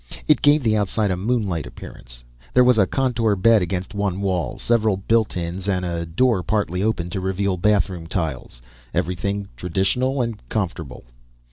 It gave the outside a moonlight appearance. There was a contour bed against one wall, several built ins, and a door partly open to reveal bathroom tiles. Everything traditional and comfortable.